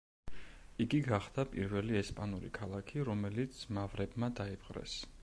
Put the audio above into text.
იგი გახდა პირველი ესპანური ქალაქი, რომელიც მავრებმა დაიპყრეს.